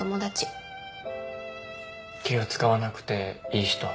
気を使わなくていい人？